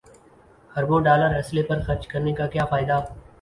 اربوں ڈالر اسلحے پر خرچ کرنے کا کیا فائدہ